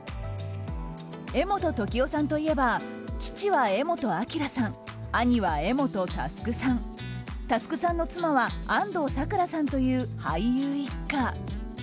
柄本時生さんといえば父は柄本明さん兄は柄本佑さん佑さんの妻は安藤サクラさんという俳優一家。